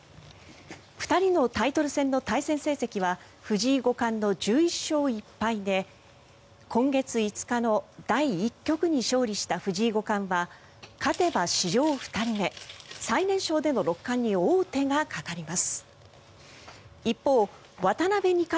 ２人のタイトル戦の対戦成績は藤井五冠の１１勝１敗で今月５日の第１局に勝利した藤井五冠は勝てば史上２人目最年少での六冠に王手がかかります。